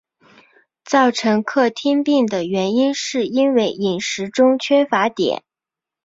造成克汀病的原因是因为饮食中缺乏碘。